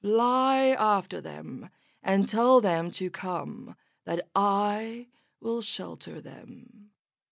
Fly after them and tell them to come, that I will shelter them."